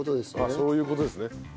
そういう事ですね。